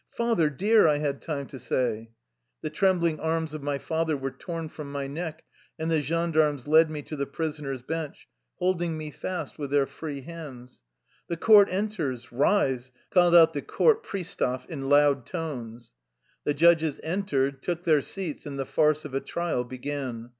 " Father, dear !" I had time to say. The trem bling arms of my father were torn from my neck, and the gendarmes led me to the prisoners' bench, holding me fast with their free hands. " The Court enters ! Kise !" called out the court priestav in loud tones. The judges entered, took their seats, and the farce of a trial began.